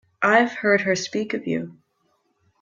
I've heard her speak of you.